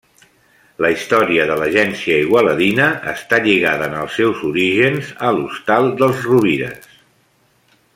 La història de l'Agència Igualadina està lligada en els seus orígens a l'hostal dels Rovires.